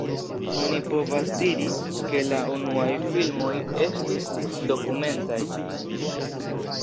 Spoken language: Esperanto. Oni povas diri ke la unuaj filmoj estis dokumentaj.